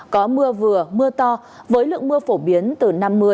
có mưa vừa mưa to với lượng mưa phổ biến từ năm mươi đến năm mươi km